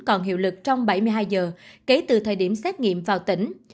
còn hiệu lực trong bảy mươi hai giờ kể từ thời điểm xét nghiệm vào tỉnh